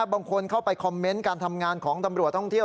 บางคนเข้าไปคอมเมนต์การทำงานของตำรวจท่องเที่ยว